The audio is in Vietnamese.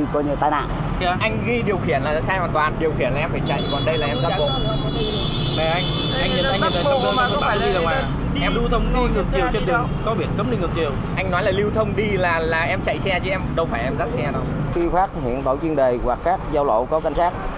khi phát hiện tổ chuyên đề hoặc các giao lộ có can sát